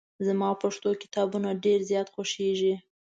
زما پښتو کتابونه ډېر زیات خوښېږي.